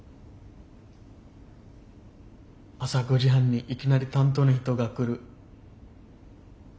朝５時半にいきなり担当の人が来る。